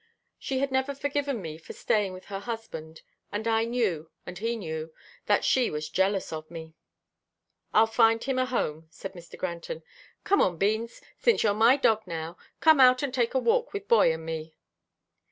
She had never forgiven me for staying with her husband, and I knew, and he knew, that she was jealous of me. "I'll find a home for him," said Mr. Granton. "Come on, Beans, since you're my dog now, come out and take a walk with Boy and me."